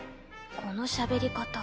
このしゃべり方。